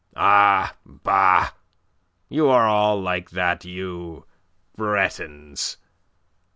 "Ah, bah! You are all like that, you Bretons.